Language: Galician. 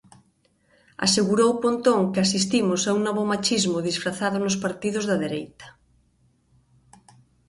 Asegurou Pontón que asistimos a un novo machismo disfrazado nos partidos da dereita.